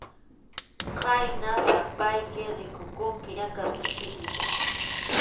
Khayna sapayki rikukunki ña karsilpiña.